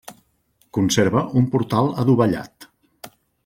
Conserva un portal adovellat.